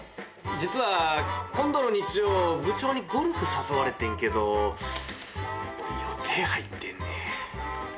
実は今度の日曜部長にゴルフ誘われてんけど俺予定入ってんねん。